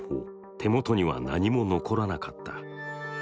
手元には何も残らなかった。